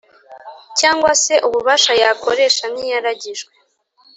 Cyangwa se ububasha yakoresha nk iyaragijwe